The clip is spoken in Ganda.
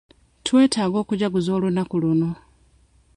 Twetaaga okujaguza olunaku luno.